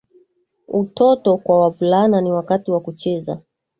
utoto kwa wavulana ni wakati wa kucheza